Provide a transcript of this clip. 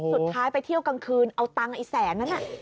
ไปเที่ยวกลางคืนเอาตังค์ไอ้แสนนั้น